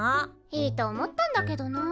いいと思ったんだけどな。